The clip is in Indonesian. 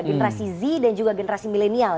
generasi zi dan juga generasi milenial